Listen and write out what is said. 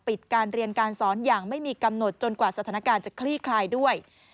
ปิดการเรียนการสอนอย่างไม่มีกำหนดจนกว่าสถานการณ์จะคลี่คลายด้วย